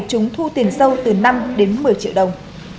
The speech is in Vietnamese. chúng thu tiền sâu từ năm đến một mươi triệu đồng